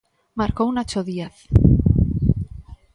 Marcou Nacho Díaz.